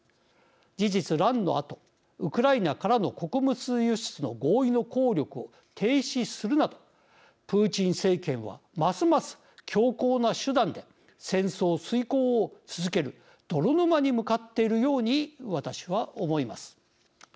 事実、乱のあとウクライナからの穀物輸出の合意の効力を停止するなどプーチン政権はますます強硬な手段で戦争遂行を続ける泥沼に向かっているように私は思います。